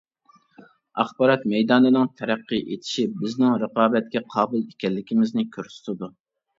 ئاخبارات مەيدانىنىڭ تەرەققىي ئېتىشى بىزنىڭ رىقابەتكە قابىل ئىكەنلىكىمىزنى كۆرسىتىدۇ.